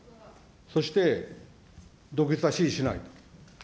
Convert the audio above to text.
そして独立は支持しない。